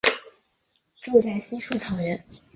住在稀树草原。